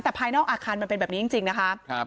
แต่ภายนอกอาคารมันเป็นแบบนี้จริงนะคะ